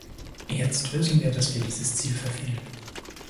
Jetzt wissen wir, dass wir dieses Ziel verfehlen.